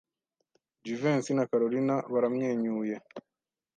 Jivency na Kalorina baramwenyuye.